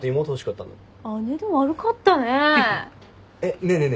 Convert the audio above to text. ねえねえねえ